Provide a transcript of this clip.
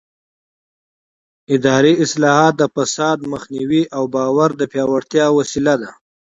اداري اصلاحات د فساد د مخنیوي او باور د پیاوړتیا وسیله دي